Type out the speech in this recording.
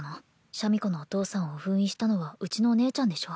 シャミ子のお父さんを封印したのはうちのお姉ちゃんでしょ